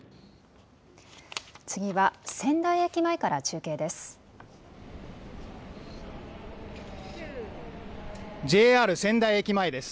次は仙台駅前から中継です。